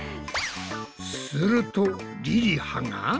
するとりりはが。